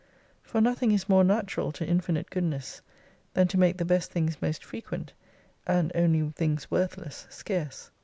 For nothing is more natural to infinite goodness, than to make the best things most frequent ; and only things worthless scarce.